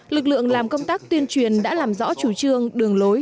lực lượng làm công tác tuyên truyền đã làm rõ chủ trương đường lối